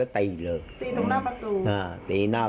ติ๊กที่หน้า